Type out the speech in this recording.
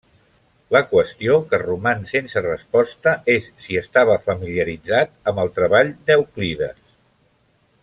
La qüestió, que roman sense resposta és si estava familiaritzat amb el treball d'Euclides.